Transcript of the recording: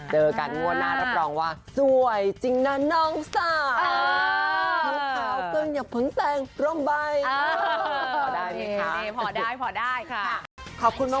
เจอกันถ้าว่าน่านักรับรองว่าสวยจริงน่ะน้องสาว